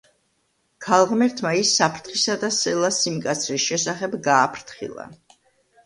ქალღმერთმა ის საფრთხისა და სელას სიმკაცრის შესახებ გააფრთხილა.